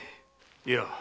いや。